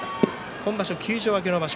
今場所、休場明けの場所